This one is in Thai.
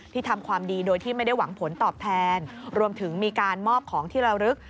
ทำความดีโดยที่ไม่ได้หวังผลตอบแทนรวมถึงมีการมอบของที่ระลึก